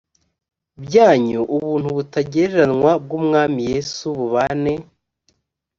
byanyu ubuntu butagereranywa bw umwami yesu bubane